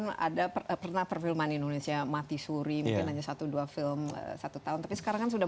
itu kan ada pernah perfilman indonesia mati suri milenya dua belas film satu tahun tapi sekarang sudah